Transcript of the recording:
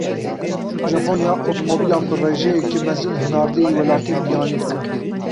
Japonya, otomobîlan bi rêjeyeke mezin hinardeyî welatên biyanî dike.